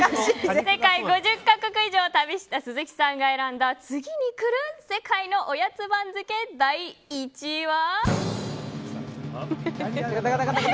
世界５０か国以上旅した鈴木さんが選んだ次に来る世界のおやつ番付第１位は。